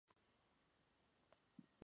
Creció entre Brooklyn y Greenwich Village.